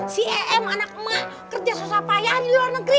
si em anak emah kerja susah payaan di luar negeri